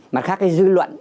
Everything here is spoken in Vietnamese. mặt khác cái dư luận